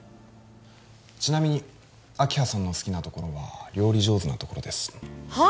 ちなみに明葉さんの好きなところは料理上手なところですはっ？